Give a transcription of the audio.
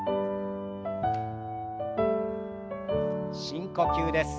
深呼吸です。